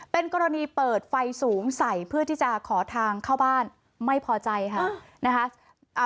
เป็นกรณีเปิดไฟสูงใส่เพื่อที่จะขอทางเข้าบ้านไม่พอใจค่ะนะคะ